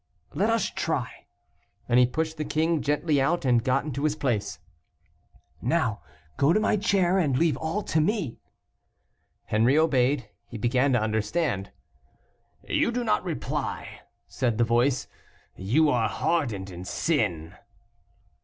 "Let us try," and he pushed the king gently out and got into his place. "Now, go to my chair, and leave all to me." Henri obeyed; he began to understand. "You do not reply," said the voice; "you are hardened in sin."